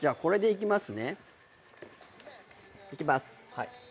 いきます。